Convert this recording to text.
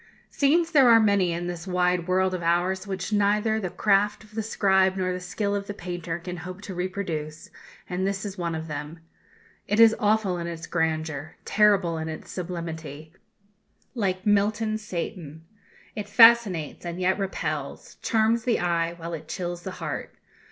Scenes there are many in this wide world of ours which neither the craft of the scribe nor the skill of the painter can hope to reproduce, and this is one of them. It is awful in its grandeur, terrible in its sublimity, like Milton's Satan. It fascinates, and yet repels; charms the eye, while it chills the heart.